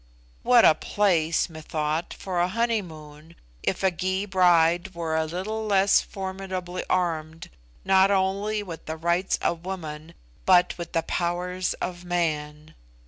What a place, methought, for a honeymoon, if a Gy bride were a little less formidably armed not only with the rights of woman, but with the powers of man!